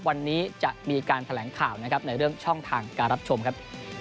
วันนี้จะมีการแถลงข่าวนะครับในเรื่องช่องทางการรับชมครับ